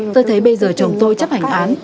tôi thấy bây giờ chồng tôi chấp hành án